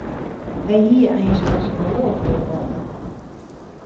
Hy hie eins archeolooch wurde wollen.